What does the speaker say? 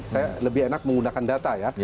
saya lebih enak menggunakan data ya